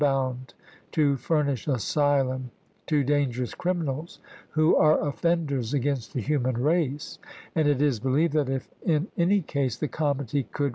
bound to furnish asylum to dangerous criminals who are offenders against the human race ; and it geward is believed that if in any case the comity could MayS.'